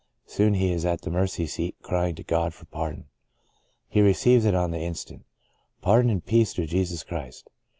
Soon he is at the mercy seat crying to God for pardon. He receives it on the instant — pardon and peace through Jesus Christ.